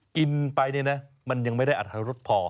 กินไปเนี่ยนะมันยังไม่ได้อัตรรสพอ